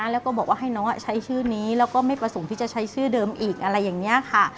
แล้วก็บอกว่าให้น้องใช้ชื่อนี้แล้วก็ไม่ประสงค์ที่จะใช้ชื่อเดิมอีกอะไรอย่างนี้ค่ะ